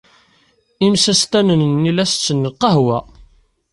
Imsestanen-nni la tessen lqahwa.